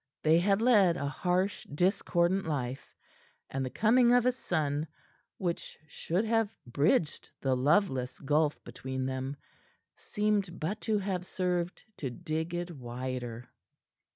They had led a harsh, discordant life, and the coming of a son, which should have bridged the loveless gulf between them, seemed but to have served to dig it wider.